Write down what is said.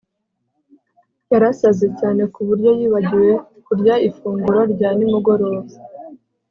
Yarasaze cyane kuburyo yibagiwe kurya ifunguro rya nimugoroba